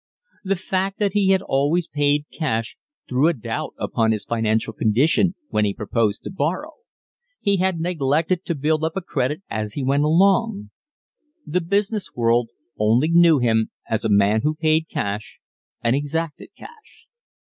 The fact that he had always paid cash threw a doubt upon his financial condition when he proposed to borrow. He had neglected to build up a credit as he went along. The business world only knew him as a man who paid cash and exacted cash.